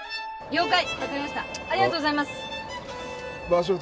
了解。